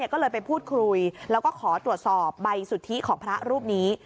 ก็เลยไปพูดคุยแล้วก็ขอตรวจสอบใบสุทธิของพระรูปนี้